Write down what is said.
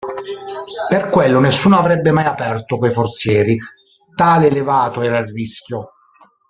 Per quello nessuno avrebbe mai aperto quei forzieri tale elevato era il rischio.